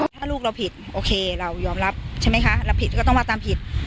ถ้าลูกเราผิดโอเคเรายอมรับใช่ไหมคะเราผิดก็ต้องมาตามผิด